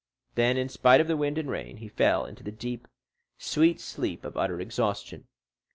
Then, in spite of the wind and rain, he fell into the deep, sweet sleep of utter exhaustion.